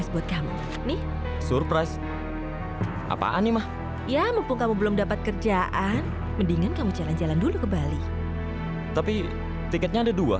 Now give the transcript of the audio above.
sampai jumpa di video selanjutnya